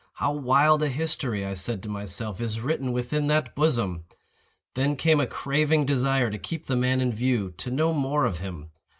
"How wild a history," I said to myself, "is written within that bosom!" Then came a craving desire to keep the man in view—to know more of him.